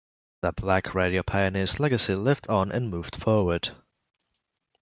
The Black radio pioneer's legacy lived on and moved forward.